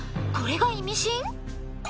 これがイミシン？